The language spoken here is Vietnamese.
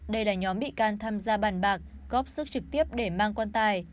đây là nhóm bị can tham gia bàn bạc góp sức trực tiếp để mang quan tài